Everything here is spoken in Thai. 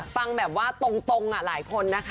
ฟังแบบว่าตรงหลายคนนะคะ